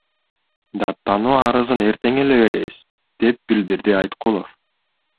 Даттануу арызын эртең эле беребиз, – деп билдирди Айткулов.